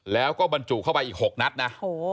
แล้วก็บรรจุเข้าไปอีก๖นัดนะ